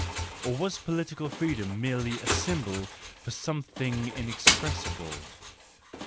Or was political freedom merely a symbol for something inexpressible